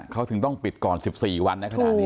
เขาถึงต้องปิดก่อน๑๔วัน